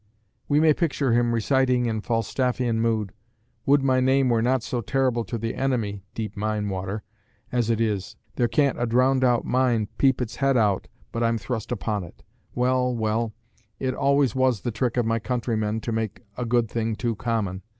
We may picture him reciting in Falstaffian mood, "Would my name were not so terrible to the enemy (deep mine water) as it is. There can't a drowned out mine peep its head out but I'm thrust upon it. Well, well, it always was the trick of my countrymen to make a good thing too common.